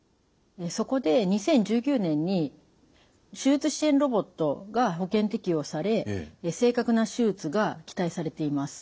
そこで２０１９年に手術支援ロボットが保険適用され正確な手術が期待されています。